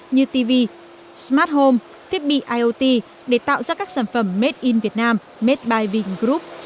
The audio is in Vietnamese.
như tv smart home thiết bị iot để tạo ra các sản phẩm made in việt nam made by vingroup